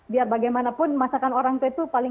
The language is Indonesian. biar bagaimanapun masakan orang tua itu paling